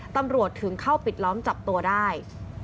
ตำรวจถึงเข้าปิดล้อมจับตัวได้